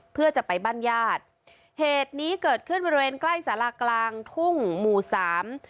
เพื่อจะไปบ้านญาติเหตุนี้เกิดขึ้นบริเวณใกล้สารากลางทุ่งหมู่สาม